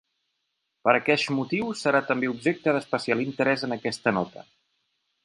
Per aqueix motiu serà també objecte d'especial interès en aquesta nota.